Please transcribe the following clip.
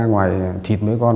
ngoài thịt mấy con